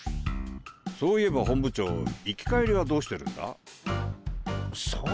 そういえば本部長行き帰りはどうしてるんだ？さあ。